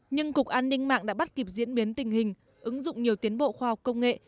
nhưng cục an ninh mạng đã bắt kịp diễn biến tình hình ứng dụng nhiều tiến bộ khoa học công nghệ